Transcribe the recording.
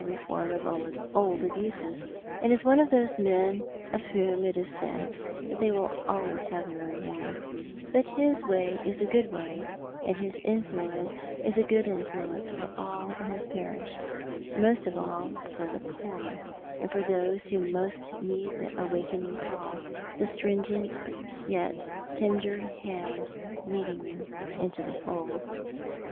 339 reform of old abuses, and is one of those men of whom it is said that they will have their own way; but his way is a good way, and his influence is a good influence for all in his parish, most of all for the poor, and for those who most need tho awakening call, the stringent, yet tender hand leading them to tho fold.